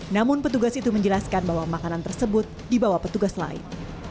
namun petugas itu menjelaskan bahwa makanan tersebut dibawa petugas lain